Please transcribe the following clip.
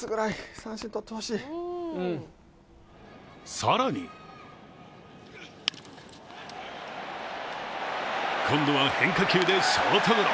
更に今度は変化球でショートゴロ。